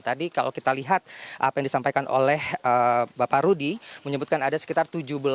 tadi kalau kita lihat apa yang disampaikan oleh bapak rudy menyebutkan ada sekitar tujuh belas